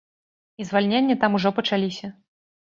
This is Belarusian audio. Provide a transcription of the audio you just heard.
І звальненні там ужо пачаліся.